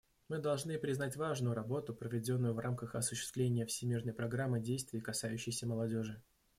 Мы должны признать важную работу, проведенную в рамках осуществления Всемирной программы действий, касающейся молодежи.